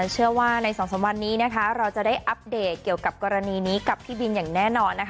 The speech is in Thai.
เชื่อว่าใน๒๓วันนี้นะคะเราจะได้อัปเดตเกี่ยวกับกรณีนี้กับพี่บินอย่างแน่นอนนะคะ